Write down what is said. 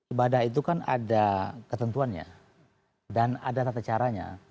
ibadah itu kan ada ketentuannya dan ada tata caranya